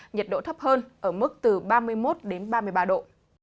nhiệt độ thấp hơn ở mức từ ba mươi một đến ba mươi ba độ